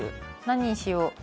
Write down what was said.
何にしよう。